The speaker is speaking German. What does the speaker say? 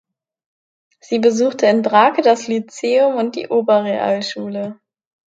Sie besuchte in Brake das Lyzeum und die Oberrealschule.